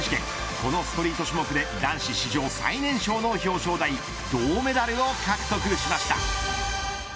このストリート種目で男子史上最年少の表彰台銅メダルを獲得しました。